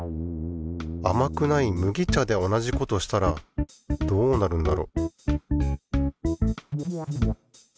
あまくない麦茶で同じことしたらどうなるんだろ